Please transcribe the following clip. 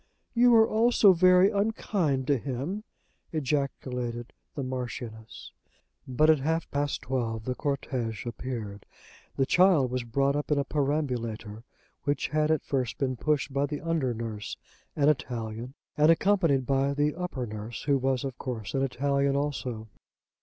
"You are all so very unkind to him," ejaculated the Marchioness. But at half past twelve the cortège appeared. The child was brought up in a perambulator which had at first been pushed by the under nurse, an Italian, and accompanied by the upper nurse, who was of course an Italian also.